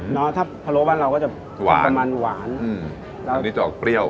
เนอะถ้าพะโลบ้านเราก็จะหวานมันหวานอืมแล้วอันนี้จะออกเปรี้ยว